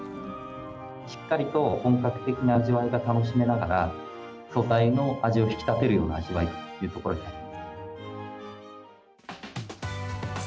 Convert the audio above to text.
しっかりと本格的な味わいが楽しめながら、素材の味を引き立てるような味わいっていうところにあります。